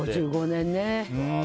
５５年ね。